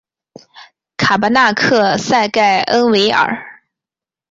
卡巴纳克塞盖恩维尔。